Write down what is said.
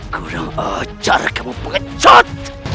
kurang ajar kamu pecut